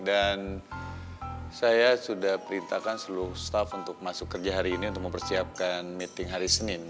dan saya sudah perintahkan seluruh staff untuk masuk kerja hari ini untuk mempersiapkan meeting hari senin